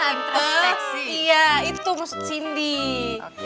tante iya itu maksud cindy